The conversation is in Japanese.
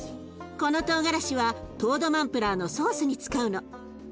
このとうがらしはトードマンプラーのソースに使うの。